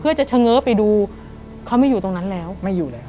เพื่อจะเฉง้อไปดูเขาไม่อยู่ตรงนั้นแล้วไม่อยู่แล้ว